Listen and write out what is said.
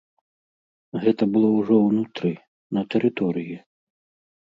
Гэта было ўжо ўнутры, на тэрыторыі.